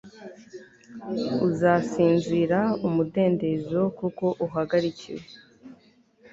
uzasinzira umudendezo, kuko uhagarikiwe